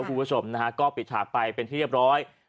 คุณผู้ชมนะฮะก็ปิดฉากไปเป็นที่เรียบร้อย